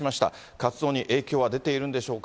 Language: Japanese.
活動に影響は出ているんでしょうか。